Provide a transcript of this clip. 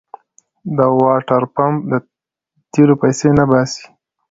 د واټرپمپ د تېلو پيسې نه باسي.